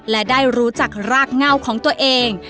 และได้รู้จักรากเงาของตัวเอง